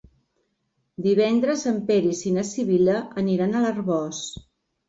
Divendres en Peris i na Sibil·la aniran a l'Arboç.